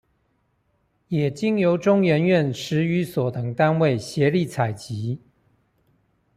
也經由中研院史語所等單位協力採集